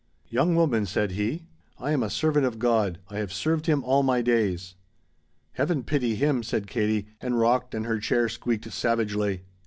"Young woman," said he, "I am a servant of God. I have served Him all my days." "Heaven pity Him!" said Katie, and rocked and her chair squeaked savagely.